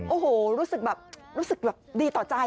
โอ้โหรู้สึกแบบรู้สึกแบบดีต่อใจ